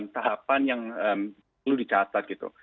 tahapan yang perlu dicatat